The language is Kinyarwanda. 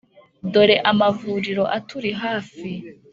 dore amavuriro aturi hafi